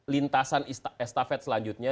lintasan estafet selanjutnya